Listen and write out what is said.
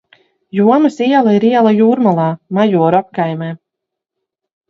Jomas iela ir iela Jūrmalā, Majoru apkaimē.